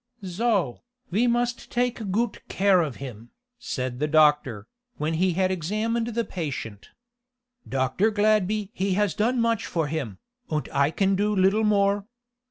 "So, ve must take goot care of him," said the doctor, when he had examined the patient. "Dr. Gladby he has done much for him, und I can do little more.